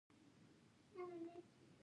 طبیعي رنګونه په غالیو کې کارول کیږي